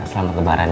selamat kebaran ya